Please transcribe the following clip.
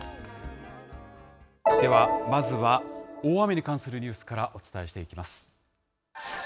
では、まずは大雨に関するニュースからお伝えしていきます。